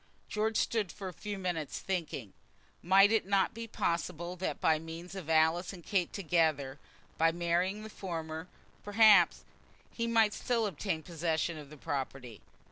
George stood for a few moments thinking. Might it not be possible that by means of Alice and Kate together, by marrying the former, perhaps, he might still obtain possession of the property?